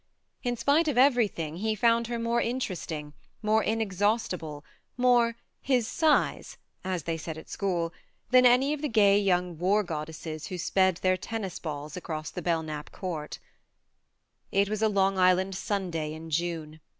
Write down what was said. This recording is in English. In spite of everything, he found her more interest ing, more inexhaustible, more "his size " (as they said at school), than any of the gay young war goddesses who sped their tennis balls across the Belknap court It was a Long Island Sunday in June.